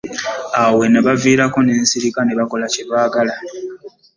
Awo we nabiviirako ne nsirika ne bakola kye baagala.